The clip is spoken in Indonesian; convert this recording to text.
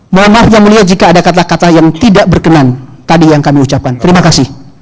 mohon maaf yang mulia jika ada kata kata yang tidak berkenan tadi yang kami ucapkan terima kasih